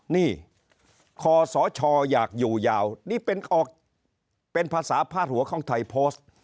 นี่คอสชอยากอยู่ยาวนี่เป็นออกเป็นภาษาพาดหัวของไทยโพสต์